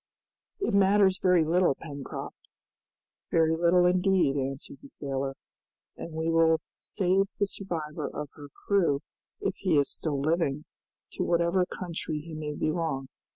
"It matters very little, Pencroft!" "Very little indeed," answered the sailor, "and we will save the survivor of her crew if he is still living, to whatever country he may belong.